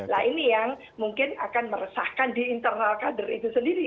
nah ini yang mungkin akan meresahkan di internal kader itu sendiri